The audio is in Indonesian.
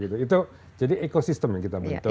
itu jadi ekosistem yang kita bentuk